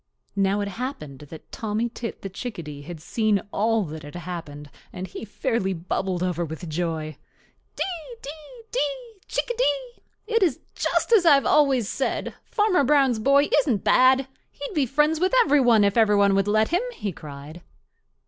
Now it happened that Tommy Tit the Chickadee had seen all that had happened, and he fairly bubbled over with joy. "Dee, dee, dee, Chickadee! It is just as I have always said—Farmer Brown's boy isn't bad. He'd be friends with every one if every one would let him," he cried.